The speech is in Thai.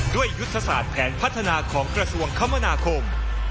ยุทธศาสตร์แผนพัฒนาของกระทรวงคมนาคม